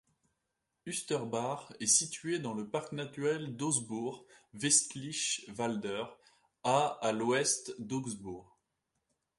Ustersbach est située dans le Parc naturel d'Augsbourg-Westliche Wälder, à à l'ouest d'Augsbourg.